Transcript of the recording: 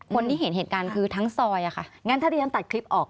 คนที่เห็นเหตุการณ์คือทั้งซอยอะค่ะงั้นถ้าที่ฉันตัดคลิปออก